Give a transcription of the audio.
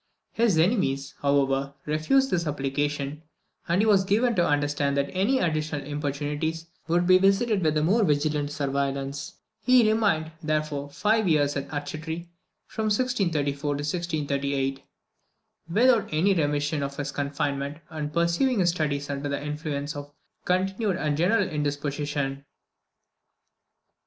His enemies, however, refused this application, and he was given to understand that any additional importunities would be visited with a more vigilant surveillance. He remained, therefore, five years at Arcetri, from 1634 to 1638, without any remission of his confinement, and pursuing his studies under the influence of a continued and general indisposition.